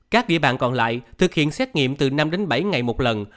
các địa bàn còn lại thực hiện xét nghiệm từ năm đến bảy ngày một lần